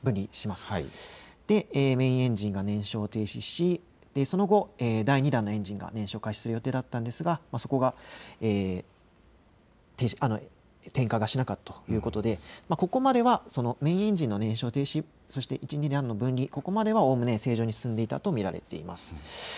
そのあとメインエンジンが燃焼停止しその後、第２段のエンジンが燃焼開始する予定でしたが点火しなかったということでここまではメインエンジンの燃焼停止、そして１、２段の分離、ここまではおおむね正常に進んでいたと見られます。